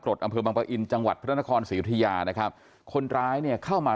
อำเภอบังปะอินจังหวัดพระนครศรีอุทยานะครับคนร้ายเนี่ยเข้ามา